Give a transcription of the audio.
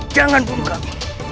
jangan bunuh kami